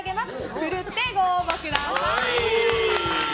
ふるってご応募ください。